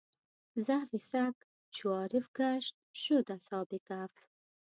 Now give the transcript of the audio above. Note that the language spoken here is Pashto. زحف سګ چو عارف ګشت شد اصحاب کهف.